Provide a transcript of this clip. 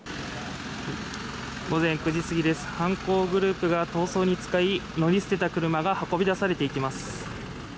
午前９時過ぎです、犯行グループが逃走に使い乗り捨てた車が運び出されていきます。